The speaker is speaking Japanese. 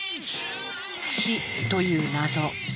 死という謎。